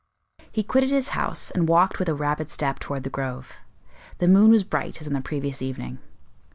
He quitted his house, and walked with a rapid step toward the Grove. The moon was bright as on the previous evening.